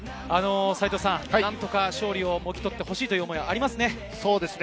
何とか勝利をもぎ取ってほしいという思いがありますね。